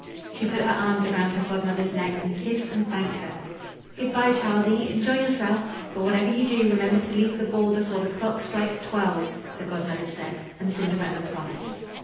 She put her arms round her Godmother's neck and kissed and thanked her. "Goodbye, childie; enjoy yourself, but whatever you do, remember to leave the ball before the clock strikes twelve," the Godmother said, and Cinderella promised.